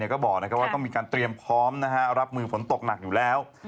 ก็บอกว่าต้องมีการเตรียมพร้อมรับมือฝนตกหนักอยู่แล้ว